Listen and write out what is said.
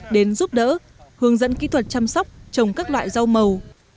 đến giúp đỡ hướng dẫn kỹ thuật chăm sóc trồng các loại rau màu